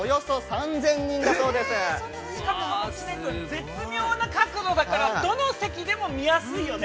◆絶妙な角度だからどの席でも見やすいよね。